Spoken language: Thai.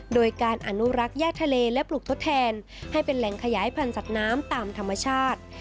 โดยการอนุรักษ์ย่าทะเลและปลูกทดแทนให้เป็นแหล่งขยายพันธุ์สัตว์น้ำตามธรรมชาติ